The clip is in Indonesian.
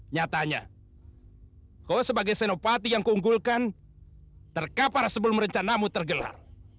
nyatanya kau sebagai senopati yang kuunggulkan tergapar sebelum rencanamu tergelar